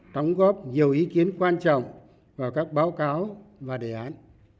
đóng góp nhiều ý kiến quan trọng vào các báo cáo và đề án